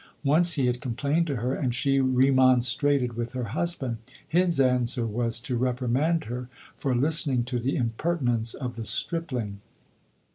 Once he had complained to her, and she remon strated with her husband. His answer was to reprimand her for listening to the impertinence of the stripling.